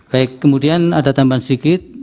baik kemudian ada tambahan sedikit